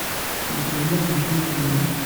Temsed mliḥ tmesliwt-nwen.